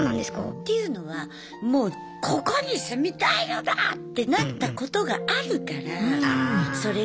っていうのはもうここに住みたいのだ！ってなったことがあるからそれが分かる。